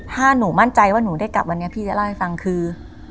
ถ้าหนูมั่นใจว่าหนูได้กลับวันนี้พี่จะเล่าให้ฟังคือ